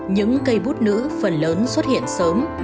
những cây bút nữ phần lớn xuất hiện sớm